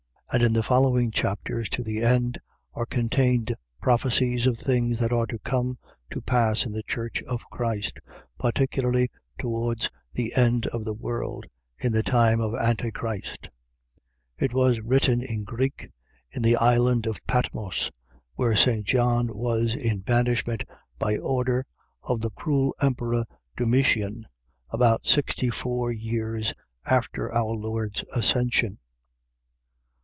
And in the following chapters, to the end, are contained prophecies of things that are to come to pass in the Church of Christ, particularly towards the end of the world, in the time of Antichrist. It was written in Greek, in the island of Patmos, where St. John was in banishment by order of the cruel emperor Domitian, about sixty four years after our Lord's Ascension.